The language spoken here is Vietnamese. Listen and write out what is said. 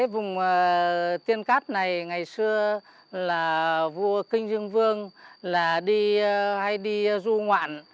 vùng tiên cát này ngày xưa là vua kinh dương vương hay đi du ngoạn